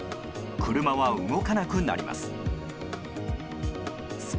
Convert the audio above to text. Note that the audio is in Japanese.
車は動かなくなります。